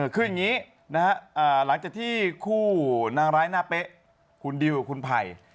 คืออย่างนี้หลังจากที่คู่นางร้ายหน้าเป๊ะคุณดิวกับคุณไผ่